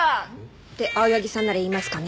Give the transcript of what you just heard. って青柳さんなら言いますかね。